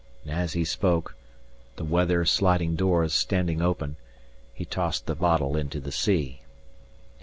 And as he spoke (the weather sliding doors standing open) he tossed the bottle into the sea.